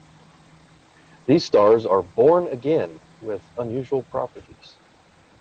These stars are "born again" with unusual properties.